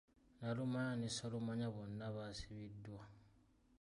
Naalumanya ne ssaalumanya bonna baasibiddwa.